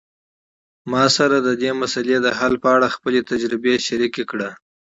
ما سره د دې مسئلې د حل په اړه خپلي تجربي شریکي کړئ